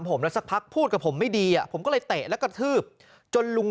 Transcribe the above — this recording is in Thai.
ผมแล้วสักพักพูดกับผมไม่ดีอ่ะผมก็เลยเตะแล้วกระทืบจนลุง